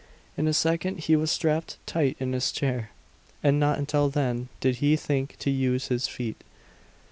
In a second he was strapped tight in his chair; and not until then did he think to use his feet.